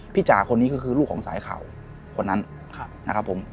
จ่าคนนี้ก็คือลูกของสายเข่าคนนั้นนะครับผม